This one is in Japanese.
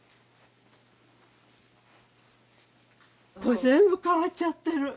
これ全部変わっちゃってる色が。